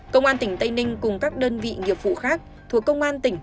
công an tỉnh tây ninh cùng các đơn vị nghiệp vụ khác thuộc công an tỉnh